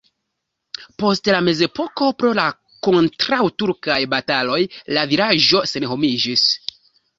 Post la mezepoko pro la kontraŭturkaj bataloj la vilaĝo senhomiĝis.